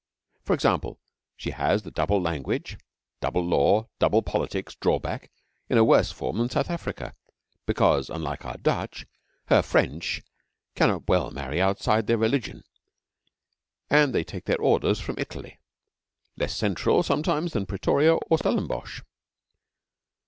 For example, she has the Double Language, Double Law, Double Politics drawback in a worse form than South Africa, because, unlike our Dutch, her French cannot well marry outside their religion, and they take their orders from Italy less central, sometimes, than Pretoria or Stellenbosch.